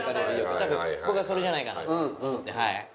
多分僕はそれじゃないかなと。